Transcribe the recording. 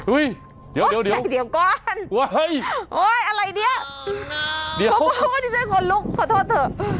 อุ๊ยเดี๋ยวเดี๋ยวก่อนโอ๊ยอะไรเนี่ยโอ๊ยที่ช่วยคนลุกขอโทษเถอะ